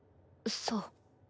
そう。